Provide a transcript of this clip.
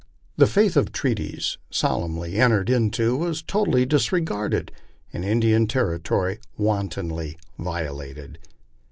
The faith of treaties solemnly entered into was totally disregarded, and Indian territory wantonly violated.